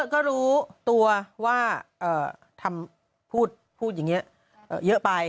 ก็รู้ตัวว่าพูดอย่างนี้เยอะไป